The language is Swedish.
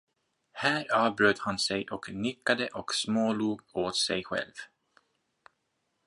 Här avbröt han sig och nickade och smålog åt sig själv.